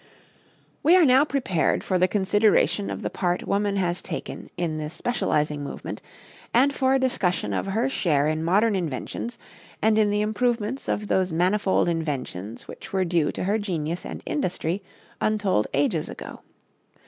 We are now prepared for the consideration of the part woman has taken in this specializing movement and for a discussion of her share in modern inventions and in the improvements of those manifold inventions which were due to her genius and industry untold ages ago.